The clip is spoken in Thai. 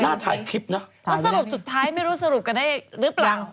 น่าถ่ายคลิปน่ะถ้าสรุปจุดท้ายไม่รู้สรุปกันได้รึเปล่าหรือ